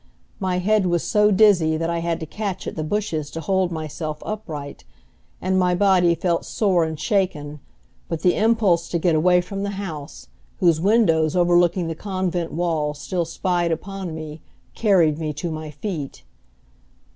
My head was so dizzy that I had to catch at the bushes to hold myself upright, and my body felt sore and shaken, but the impulse to get away from the house, whose windows overlooking the convent wall still spied upon me, carried me to my feet.